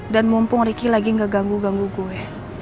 dan mumpung riki lagi gak ganggu ganggu gue